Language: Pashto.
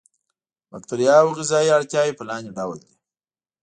د باکتریاوو غذایي اړتیاوې په لاندې ډول دي.